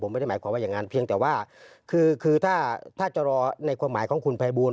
ไม่ได้หมายความว่าอย่างนั้นเพียงแต่ว่าคือถ้าจะรอในความหมายของคุณภัยบูล